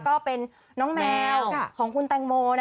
ก็เป็นน้องแมวของคุณแตงโม